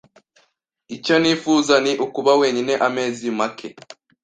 Icyo nifuza ni ukuba wenyine amezi make.